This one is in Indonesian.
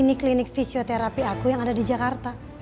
ini klinik fisioterapi aku yang ada di jakarta